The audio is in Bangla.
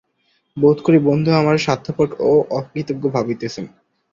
বোধ করি বন্ধু আমারে স্বার্থপর ও অকৃতজ্ঞ ভাবিতেছেন।